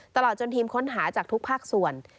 ตลอดจนทีมค้นหาจากทุกภาคส่วน